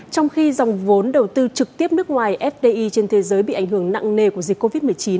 trong khi dòng vốn đầu tư trực tiếp nước ngoài fdi trên thế giới bị ảnh hưởng nặng nề của dịch covid một mươi chín